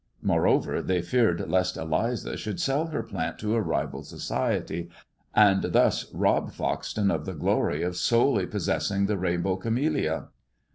Moreover they feared lest Eliza should sell her plant to a rival society, and thus rob Foxton of the glory of solely possessing the rainbow camellia.